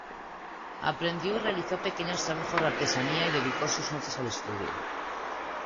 Aprendió y realizó pequeños trabajos de artesanía y dedicó sus noches al estudio.